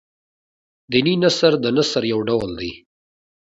دیني نثر د نثر يو ډول دﺉ.